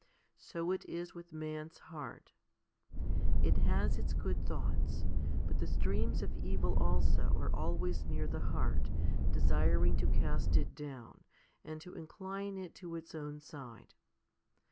So is it with man's heart. It has its good thoughts ; but the streams of evil also are always near the heart, desiring to cast it down, and to incline it to its own side.